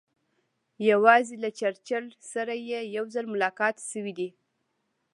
یوازې له چرچل سره یې یو ځل ملاقات شوی دی.